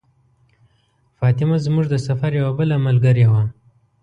فاطمه زموږ د سفر یوه بله ملګرې وه.